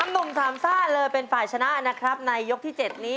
หนุ่มถามซ่าเลยเป็นฝ่ายชนะนะครับในยกที่๗นี้